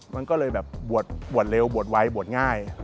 มันก็เลยแบบบวชเร็วบวชไวบวชง่าย